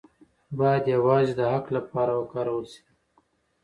باید یوازې د حق لپاره وکارول شي.